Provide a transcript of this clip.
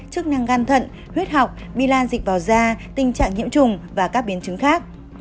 chức năng gan thận huyết học bilan dịch vào da tình trạng nhiễm trùng và các biến chứng khác